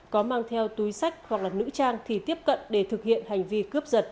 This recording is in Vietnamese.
có mang theo túi sách hoặc là nữ trang thì tiếp cận để thực hiện hành vi cướp giật